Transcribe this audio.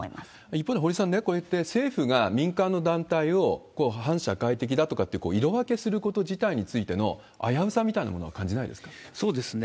一方で、堀さんね、こうやって政府が民間の団体を反社会的だとかって、色分けすること自体についての危うさみたいなものは感じないですか？